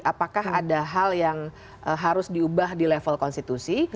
apakah ada hal yang harus diubah di level konstitusi